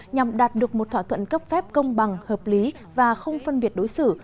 nhằm đạt được một thỏa thuận cấp phép công bằng hợp lý và không phân biệt đối xử